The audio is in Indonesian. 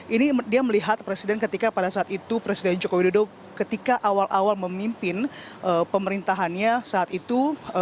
ini dia melihat presiden ketika pada saat itu presiden joko widodo ketika awal awal memimpin pemerintahannya saat itu